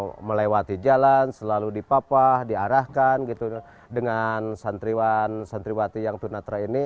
selalu melewati jalan selalu dipapah diarahkan gitu dengan santriwan santriwatri yang tunanetra ini